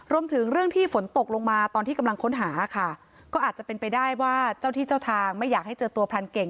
รวมถึงเรื่องที่ฝนตกลงมาตอนที่กำลังค้นหาค่ะก็อาจจะเป็นไปได้ว่าเจ้าที่เจ้าทางไม่อยากให้เจอตัวพรานเก่ง